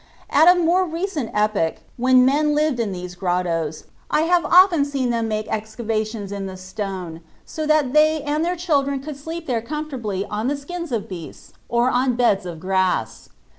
At a more recent epoch, when men lived in these grottos, I have often seen them make excavations in the stone so that they and their children could sleep there comfortably on the skins of beasts or on beds of grass.